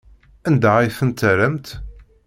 Anda ay tent-terramt?